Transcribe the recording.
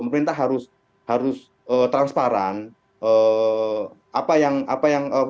pemerintah harus transparan